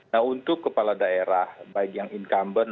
nah untuk kepala daerah baik yang incumbent